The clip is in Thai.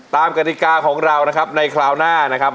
กติกาของเรานะครับในคราวหน้านะครับ